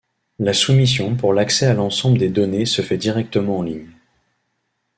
La soumission pour l'accès à l'ensemble de données se fait directement en ligne.